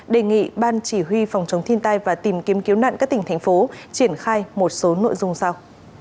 đề nghị ban chỉ huy phòng chống thiên tai và tìm kiếm cứu nạn các tỉnh thành phố triển khai một số nội dung sau